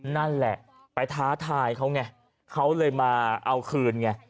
นั่นแหละไปท้าทายเขาไงเขาเลยมาเอาคืนไง